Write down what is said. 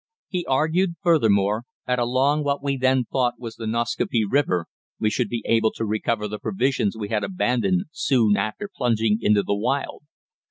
He argued, furthermore, that along what we then thought was the Nascaupee River we should be able to recover the provisions we had abandoned soon after plunging into the wild.